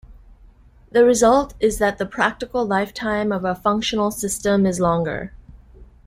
The result is that the practical lifetime of a functional system is longer.